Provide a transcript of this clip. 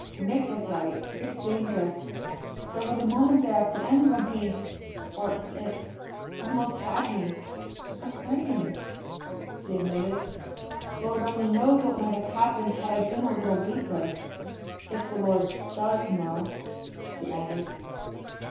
"Nick was right; it's dangerous. There was a moment there at the end when he or it almost had me. I'm frightened," she admitted. "Lord only knows what might have happened had I been a little weaker. If the Lord does know," she added.